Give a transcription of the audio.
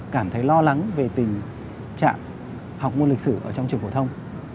cảm thấy lo lắng về tình trạng học môn lịch sử ở trong trường phổ thông